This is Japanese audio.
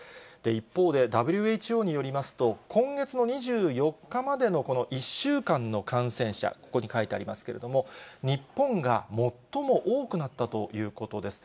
一方で、ＷＨＯによりますと、今月の２４日までのこの１週間の感染者、ここに書いてありますけれども、日本が最も多くなったということです。